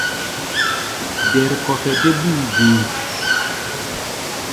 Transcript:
Dɛ̌r-kɔfɛ dé búu deé.